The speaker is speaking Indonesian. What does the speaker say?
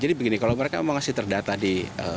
jadi begini kalau mereka masih terdata di